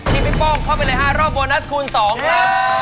พี่โป้งเข้าไปเลย๕รอบโบนัสคูณ๒ครับ